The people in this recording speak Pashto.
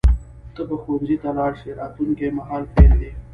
ته به ښوونځي ته لاړ شې راتلونکي مهال فعل دی.